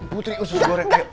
putri usus goreng